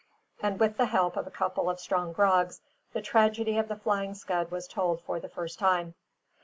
And with the help of a couple of strong grogs, the tragedy of the Flying Scud was told for the first time.